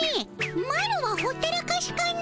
マロはほったらかしかの。